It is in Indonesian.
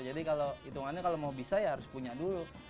jadi kalau hitungannya kalau mau bisa ya harus punya dulu